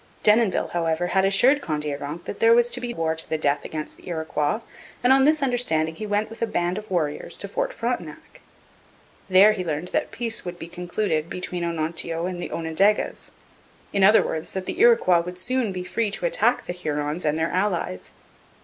Denonville, however, had assured Kondiaronk that there was to be war to the death against the Iroquois, and on this understanding he went with a band of warriors to Fort Frontenac. There he learned that peace would be concluded between Onontio and the Onondagas in other words, that the Iroquois would soon be free to attack the Hurons and their allies.